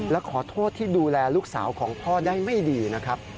และขอโทษที่ดูแลลูกสาวของพ่อได้ไม่ดีนะครับ